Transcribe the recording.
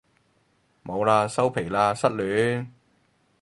冇喇收皮喇失戀